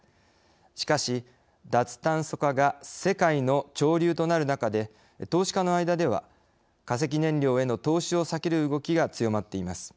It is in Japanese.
しかし脱炭素化が世界の潮流となる中で投資家の間では化石燃料への投資を避ける動きが強まっています。